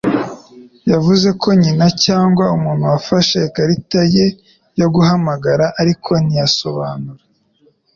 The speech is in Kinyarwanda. Yavuze ko nyina cyangwa umuntu wafashe ikarita ye yo guhamagara ariko ntiyabisobanura.